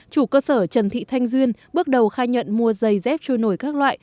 chủ cơ sở trần thị thanh duyên bước đầu khai nhận mua giày dép trôi nổi các loại